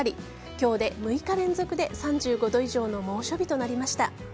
今日で６日連続で３５度以上の猛暑日となりました。